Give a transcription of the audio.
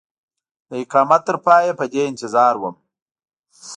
د اقامت تر پایه په دې انتظار وم.